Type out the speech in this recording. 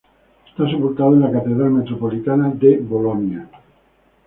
Está sepultado en la Catedral metropolitana de Bolonia.